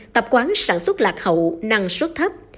tạp quán sản xuất lạc hậu năng suất thấp